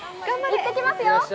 行ってきますよ。